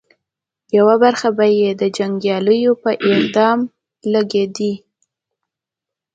يوه برخه به یې د جنګياليو په ادغام لګېدې